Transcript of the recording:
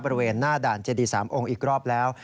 บริเวณหน้าด่านเจดี๓องค์อีกรอบแล้ว